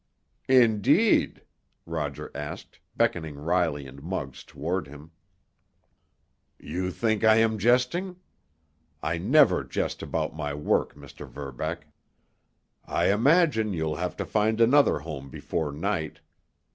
"Indeed?" Roger asked, beckoning Riley and Muggs toward him. "You think I am jesting? I never jest about my work, Mr. Verbeck. I imagine you'll have to find another home before night.